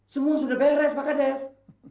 semua sudah beres pak kades